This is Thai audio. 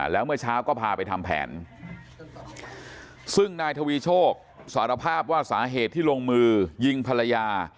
แล้วเมื่อเช้าก็พาไปทำแผนซึ่งนายทวีโชคสารภาพว่าสาเหตุที่ลงมือยิงภรรยา